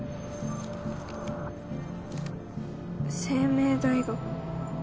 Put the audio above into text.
「整命大学」。